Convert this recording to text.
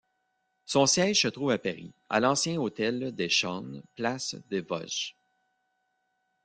Son siège se trouve à Paris, à l'ancien hôtel de Chaulnes, place des Vosges.